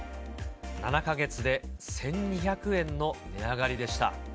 ７か月で１２００円の値上がりでした。